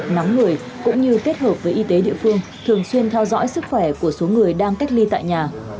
nóng người cũng như kết hợp với y tế địa phương thường xuyên theo dõi sức khỏe của số người đang cách ly tại nhà